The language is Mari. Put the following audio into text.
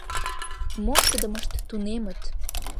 Моштыдымышт тунемыт.